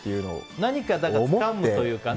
何かつかむというかね。